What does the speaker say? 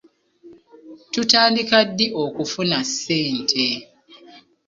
Tutandika ddi okufuna ssente.